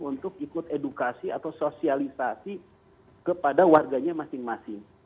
untuk ikut edukasi atau sosialisasi kepada warganya masing masing